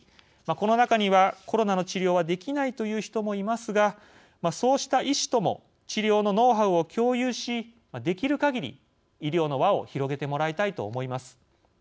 この中にはコロナの治療はできないという人もいますがそうした医師とも治療のノウハウを共有しできるかぎり医療の輪を広げてもらいたいと思います。